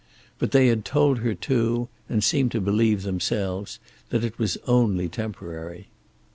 But they had told her too, and seemed to believe themselves, that it was only temporary.